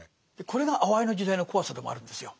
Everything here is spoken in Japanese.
これがあわいの時代の怖さでもあるんですよ。